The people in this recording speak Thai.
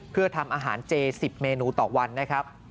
เพื่อทำอาหารเจ๑๐เมนูต่อวันนะครับ